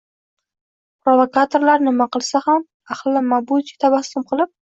Provokatorlar nima qilsa ham ahli Mabuti tabassum qilib